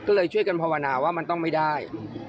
ก็เลยช่วยกันภาวนาว่ามันต้องไม่ได้